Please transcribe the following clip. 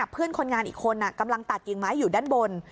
เพื่อนคนงานอีกคนกำลังตัดกิ่งไม้อยู่ด้านบน